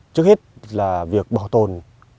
trước hết là việc bảo tồn